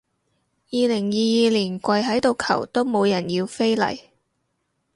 二零二二年跪喺度求都冇人要飛嚟